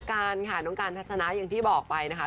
การค่ะน้องการทัศนะอย่างที่บอกไปนะคะ